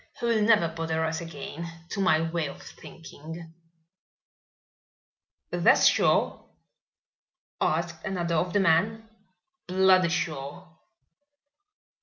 He will never bother us again, to my way of thinking." "That's sure?" asked another of the men. "Bloody sure."